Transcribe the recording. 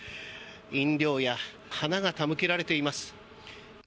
飲料や花が手向けられています。